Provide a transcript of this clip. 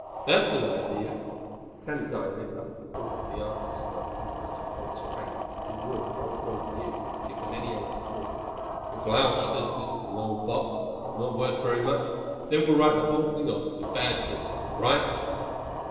"That's an idea." Sandy's eye lit up at the thought of the art expert who was Richard Holt's friend and who would, both boys knew, give them any aid he could. "If Lausch says this is an old box, but not worth very much, then we'll write the whole thing off as a bad dream. Right?"